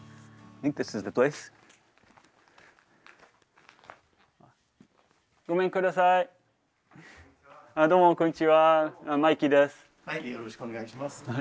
マイケルよろしくお願いします。